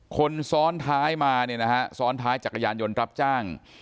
คนซ้อนท้ายมาเนี่ยนะฮะซ้อนท้ายจักรยานยนต์รับจ้าง